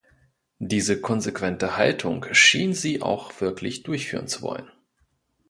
Diese konsequente Haltung schien sie auch wirklich durchführen zu wollen.